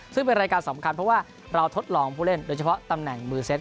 ซึ่งเป็นรายการสำคัญเพราะว่าเราทดลองผู้เล่นโดยเฉพาะตำแหน่งมือเซต